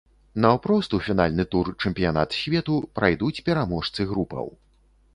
Наўпрост у фінальны турнір чэмпіянат свету прайдуць пераможцы групаў.